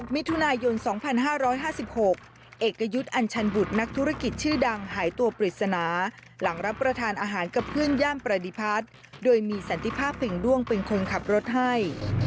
โปรดติดตามตอนต่อไป